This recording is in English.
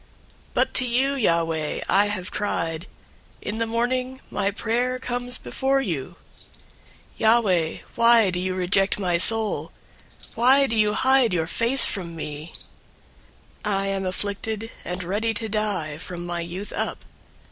088:013 But to you, Yahweh, I have cried. In the morning, my prayer comes before you. 088:014 Yahweh, why do you reject my soul? Why do you hide your face from me? 088:015 I am afflicted and ready to die from my youth up.